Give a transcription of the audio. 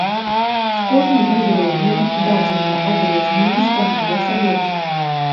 З кожным узроўнем дадзеныя адрозненні становяцца больш.